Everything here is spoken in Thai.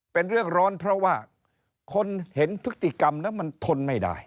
เป็นเรื่องร้อนเพราะว่าคนเห็นพฤติกรรมแล้วมันทนไม่ได้